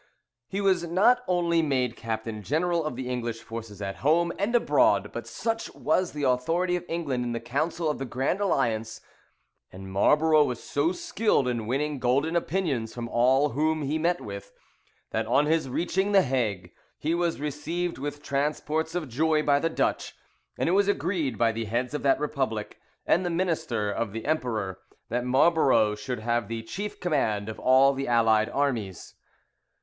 He was not only made captain general of the English forces at home and abroad, but such was the authority of England in the council of the Grand Alliance, and Marlborough was so skilled in winning golden opinions from all whom he met with, that, on his reaching the Hague, he was received with transports of joy by the Dutch, and it was agreed by the heads of that republic, and the minister of the emperor, that Marlborough should have the chief command of all the allied armies.